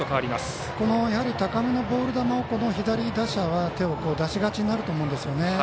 高めのボール球を左打者は手を出しがちになると思うんですよね。